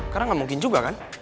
karena gak mungkin juga kan